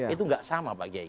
itu nggak sama pak kiai